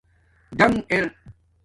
ڈآنݣ ار